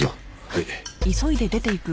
はい。